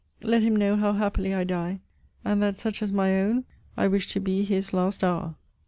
Let him know how happily I die: And that such as my own, I wish to be his last hour.